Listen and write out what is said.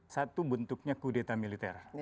satu bentuknya kudeta militer